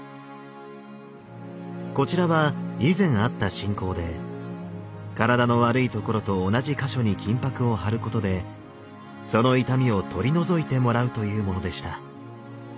こちらは以前あった信仰で体の悪いところと同じ箇所に金箔を貼ることでその痛みを取り除いてもらうというものでした。